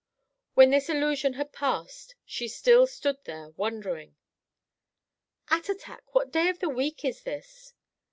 When this illusion had passed she still stood there wondering. "Attatak, what day of the week is this?"